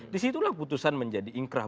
di situlah putusan menjadi ingkrah